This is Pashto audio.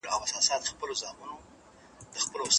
دغه پرېکړه لیک باید په پښتو کي چمتو سي.